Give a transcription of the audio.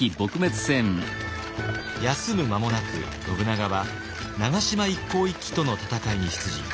休む間もなく信長は長島一向一揆との戦いに出陣。